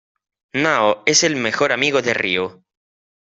Nao es el mejor amigo de Ryū.